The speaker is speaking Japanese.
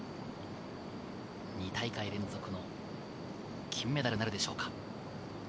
２大会連続の金メダルなるでしょうか。